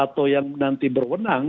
atau yang nanti berwenang